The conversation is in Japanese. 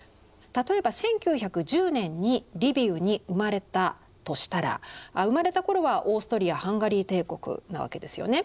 例えば１９１０年にリビウに生まれたとしたら生まれた頃はオーストリア＝ハンガリー帝国なわけですよね。